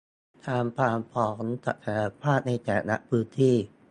ตามความพร้อม ศักยภาพในแต่ละพื้นที่